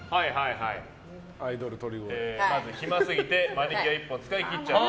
まず、暇すぎてマニキュア１本使い切っちゃった。